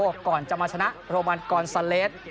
ก่อนจะมาชนะโรมันกอนซาเลส